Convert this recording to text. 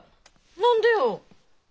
何でよ？